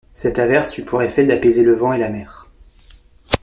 Cette averse eut pour effet d’apaiser le vent et la mer.